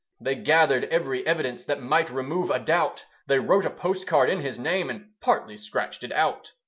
They gathered every evidence That might remove a doubt: They wrote a postcard in his name, And partly scratched it out.